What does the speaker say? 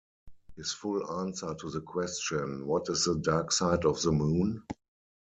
His full answer to the question What is 'the dark side of the moon'?